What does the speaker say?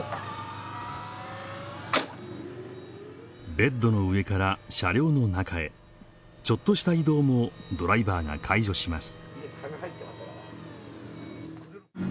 ベッドの上から車両の中へちょっとした移動もドライバーが介助します